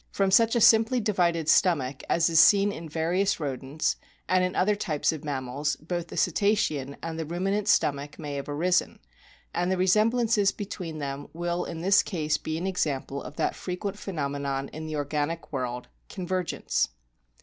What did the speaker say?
From such a simply divided stomach as is seen in various Rodents, and in other types of mammals, both the Cetacean and the Ruminant stomach may have arisen, and the resemblances between them will in this case be an example of that frequent phenomenon in the organic world, convergence.